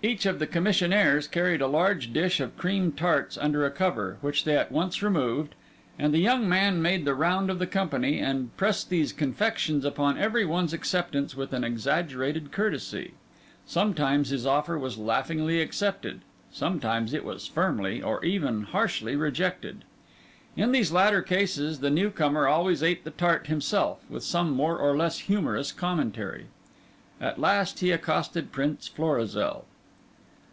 Each of the commissionaires carried a large dish of cream tarts under a cover, which they at once removed; and the young man made the round of the company, and pressed these confections upon every one's acceptance with an exaggerated courtesy. Sometimes his offer was laughingly accepted; sometimes it was firmly, or even harshly, rejected. In these latter cases the new comer always ate the tart himself, with some more or less humorous commentary. At last he accosted Prince Florizel.